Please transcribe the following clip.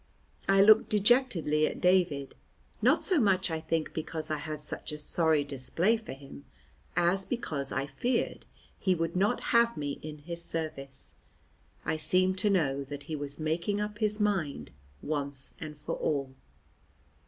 I looked dejectedly at David, not so much, I think, because I had such a sorry display for him, as because I feared he would not have me in his service. I seemed to know that he was making up his mind once and for all.